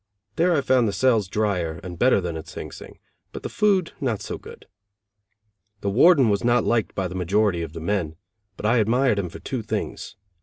There I found the cells drier, and better than at Sing Sing, but the food not so good. The warden was not liked by the majority of the men, but I admired him for two things.